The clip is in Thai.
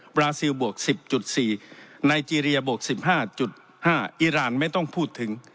บราซิลบวก๑๐๔ไนเจเรียบวก๑๕๕อิราณไม่ต้องพูดถึง